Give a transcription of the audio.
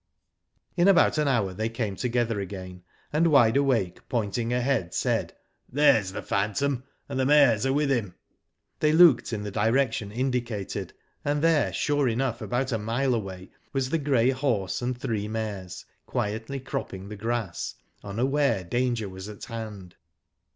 In about an hour they came together again and Wide Awake pointing ahead, said: "There is the phantom, and the mares ^ are with him." They looked in the direction indicated, and there, sure enough, c^bout a mile away, was the grey horse and three mares, quietly cropping the grass, unaware danger was at hand.